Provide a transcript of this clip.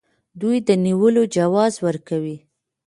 دوی د نیولو جواز ورکوي.